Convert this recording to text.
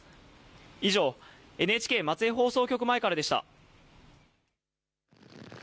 以上、ＮＨＫ松江放送局前からでした。